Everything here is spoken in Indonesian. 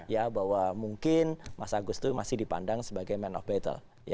ya bahwa mungkin mas agus itu masih dipandang sebagai man of battle